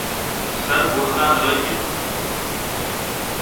سر برز ءَ نہ لگ اِت